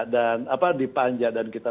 dan apa dipanja dan kita